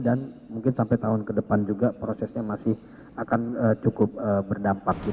dan mungkin sampai tahun ke depan juga prosesnya masih akan cukup berdampak